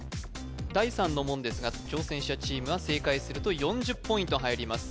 第三の門ですが挑戦者チームは正解すると４０ポイント入ります